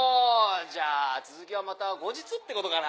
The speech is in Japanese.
じゃあ続きはまた後日ってことかな？